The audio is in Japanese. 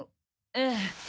ええ。